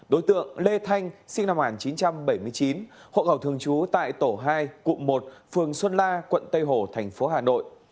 đối tượng lê thanh sinh năm một nghìn chín trăm bảy mươi chín hộ khẩu thường trú tại tổ hai cụm một phường xuân la quận tây hồ thành phố hà nội